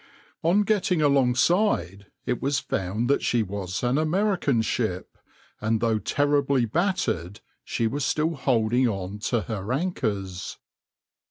\par On getting alongside it was found that she was an American ship, and though terribly battered she was still holding on to her anchors.